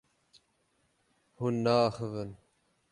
Hûn naaxivin.